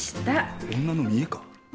女の見えか。